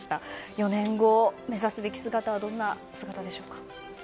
４年後目指すべき姿はどんな姿でしょうか。